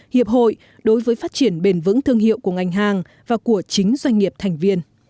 hiệp hội đối với phát triển bền vững thương hiệu của ngành hàng và của chính doanh nghiệp thành viên